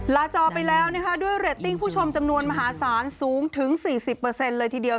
จอไปแล้วนะคะด้วยเรตติ้งผู้ชมจำนวนมหาศาลสูงถึง๔๐เลยทีเดียว